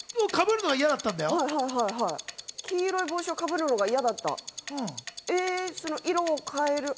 黄色い帽子をかぶるのが嫌だ色を変える？